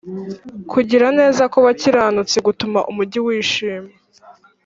Kugira neza kw abakiranutsi gutuma umugi wishima